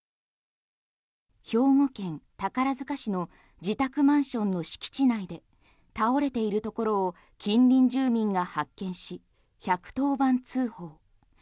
兵庫県宝塚市の自宅マンションの敷地内で倒れているところを近隣住民が発見し１１０番通報。